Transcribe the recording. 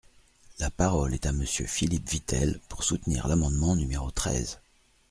La parole est à Monsieur Philippe Vitel, pour soutenir l’amendement numéro treize.